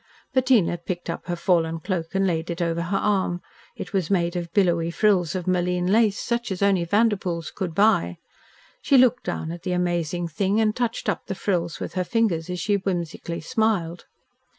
Bettina picked up her fallen cloak and laid it over her arm. It was made of billowy frills of Malines lace, such as only Vanderpoels could buy. She looked down at the amazing thing and touched up the frills with her fingers as she whimsically smiled.